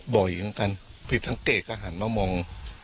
บ่อยเหมือนกันผิดสังเกตก็หันมามอง